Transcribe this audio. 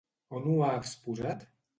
On ho ha exposat?